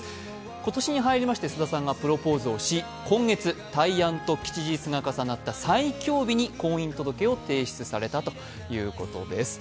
今年に入りまして菅田さんがプロポーズをし、今月、大安と吉日が重なった最強日に婚姻届を提出されたということです。